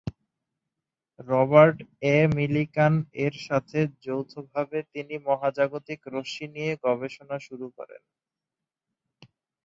Robert A মিলিকান-এর সাথে যৌথভাবে তিনি মহাজাগতিক রশ্মি নিয়ে গবেষণা শুরু করেন।